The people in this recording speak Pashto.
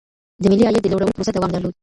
د ملي عايد د لوړولو پروسه دوام درلود.